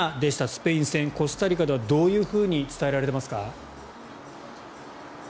スペイン戦コスタリカではどういうふうに伝えられていますか？